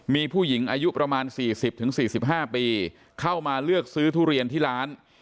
มีผู้หญิงอายุประมาณสี่สิบถึงสี่สิบห้าปีเข้ามาเลือกซื้อทุเรียนที่ร้าน